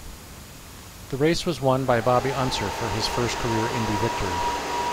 The race was won by Bobby Unser for his first career Indy victory.